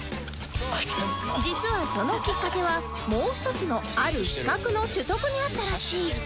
実はそのきっかけはもう一つのある資格の取得にあったらしい